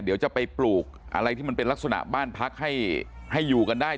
เดี๋ยวจะไปปลูกอะไรที่มันเป็นลักษณะบ้านพักให้อยู่กันได้